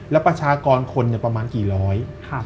แล้วประชากรคนประมาณกี่ร้อย